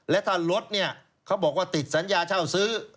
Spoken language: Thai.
และถ้ารถเนี่ยเขาบอกว่าติดสัญญาเช่าซื้อ